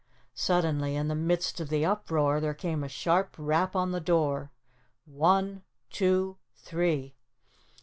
Suddenly in the midst of the uproar there came a sharp rap on the door. "One two three."